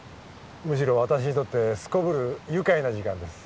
むしろ私にとってすこぶる愉快な時間です